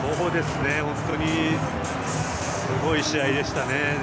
本当にすごい試合でしたね。